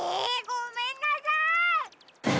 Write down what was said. ごめんなさい！